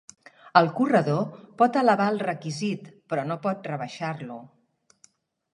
El corredor pot elevar el requisit, però no pot rebaixar-lo.